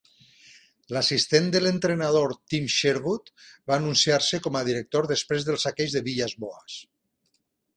L'assistent de l'entrenador Tim Sherwood va anunciar-se com a director després del saqueig de Villas-Boas.